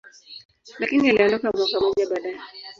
lakini aliondoka mwaka mmoja baadaye.